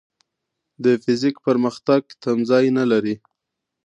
د فزیک پرمختګ تمځای نه لري.